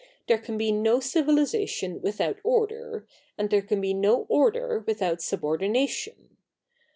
There can be no civilisation with out order, and there can be no order without subordina tion.